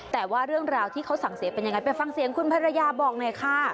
แต่ว่าเรื่องราวที่เขาสั่งเสียเป็นยังไงไปฟังเสียงคุณภรรยาบอกหน่อยค่ะ